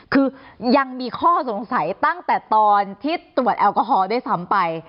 คือยังมีข้อสงสัยตั้งแต่ตอนที่ตรวจแอลกอฮอล์ด้วยซ้ำไป